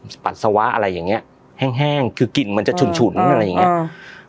ปัสสาวะอะไรอย่างเงี้ยแห้งแห้งคือกลิ่นมันจะฉุนฉุนอะไรอย่างเงี้อืม